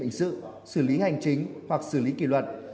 hình sự xử lý hành chính hoặc xử lý kỷ luật